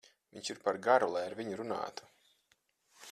Viņš ir par garu, lai ar viņu runātu.